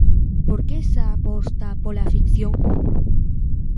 Por que esa aposta pola ficción?